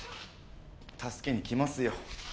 助けに来ますよ。